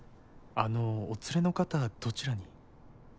あのお連れの方どちらに？